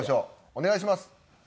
お願いします。